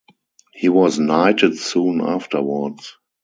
He was knighted soon afterwards.